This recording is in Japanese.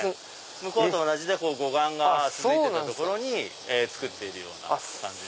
向こうと同じで護岸が続いてた所に造っている。